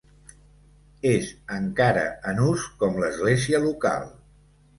És encara en ús com l'església local.